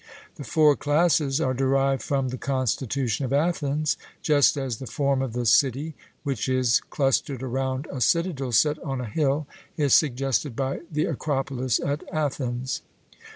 The four classes are derived from the constitution of Athens, just as the form of the city, which is clustered around a citadel set on a hill, is suggested by the Acropolis at Athens.